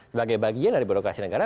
sebagai bagian dari birokrasi negara